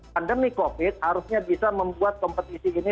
pandemi covid harusnya bisa membuat kompetisi ini